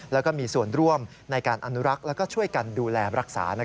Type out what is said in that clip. แล้วก็มีส่วนร่วมในการอนุรักษ์และช่วยกันดูแลรักษา